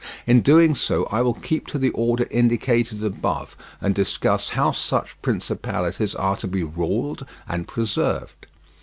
In doing so I will keep to the order indicated above, and discuss how such principalities are to be ruled and preserved.